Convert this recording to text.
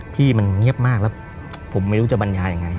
พี่มันเงียบมากแล้วผมไม่รู้จะบรรยายังไง